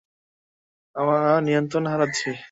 আমরা নিয়ন্ত্রণ হারাচ্ছি।